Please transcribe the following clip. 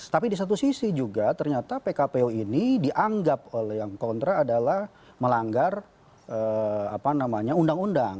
tapi di satu sisi juga ternyata pkpu ini dianggap oleh yang kontra adalah melanggar apa namanya undang undang